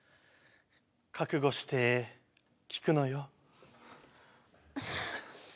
覚悟して聞くのよ。